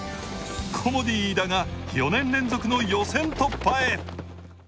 コモディイイダが４年連続の予選突破へ。